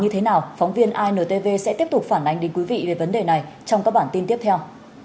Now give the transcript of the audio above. trong các bản tin tiếp theo